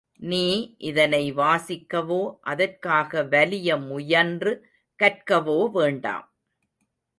நீ இதனை வாசிக்கவோ அதற்காக வலிய முயன்று கற்கவோ வேண்டாம்!